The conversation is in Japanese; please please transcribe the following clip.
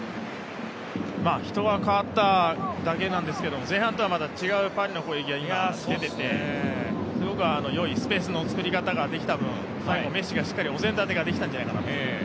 人が代わっただけなんですけど前半とは違うパリの攻撃が出ていてすごくよいスペースの作り方ができた分、最後、メッシがしっかりお膳立てできたんじゃないかと。